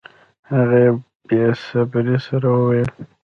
هغه په بې صبرۍ سره وویل